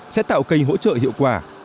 sẽ tạo kênh hỗ trợ hiệu quả